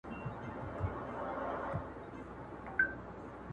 حللاره وموندل سي